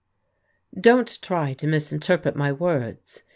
" Don't try to misinterpret my words.